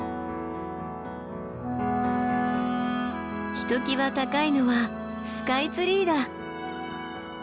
ひときわ高いのはスカイツリーだ！